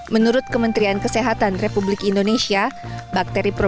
menurut kementerian kesehatan republik indonesia bakteri